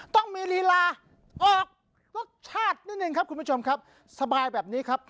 ต้องมีลีลาออกรสชาตินิดนึงครับคุณผู้ชมครับสบายแบบนี้ครับ